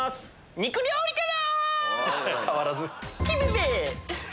肉料理から！